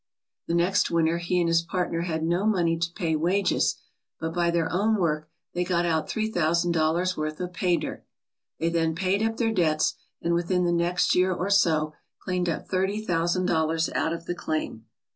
The next winter he and his partner had no money to pay wages, but by their own work they got out three thousand dollars' worth of pay dirt. They then paid up their debts and within the next year or so cleaned up thirty thousand dollars out of the claim.